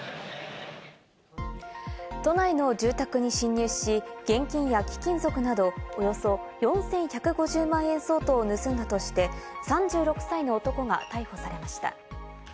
都内の住宅に侵入し、現金や貴金属など、およそ４１５０万円相当を盗んだとして３６歳の男が逮捕されました。